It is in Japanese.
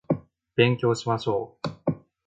勉強しましょう